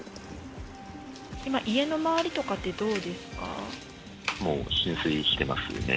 今、今の周りとかってどうでもう浸水していますね。